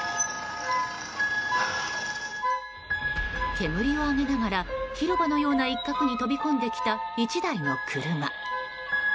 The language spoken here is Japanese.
煙を上げながら広場のような一画に飛び込んできた１台の車。